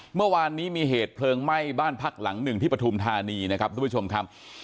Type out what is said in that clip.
เมื่อวานนี้มีเหตุเพลิงไหม้บ้านพักหลังหนึ่งที่ปฐุมธานีนะครับทุกผู้ชมครับ